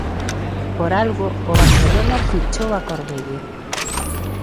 Por algo o Barcelona fichou a Corbelle.